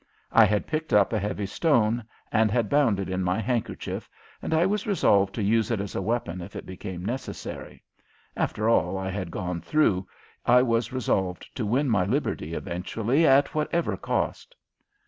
I had picked up a heavy stone and had bound it in my handkerchief, and I was resolved to use it as a weapon if it became necessary. After all I had gone through I was resolved to win my liberty eventually at whatever cost.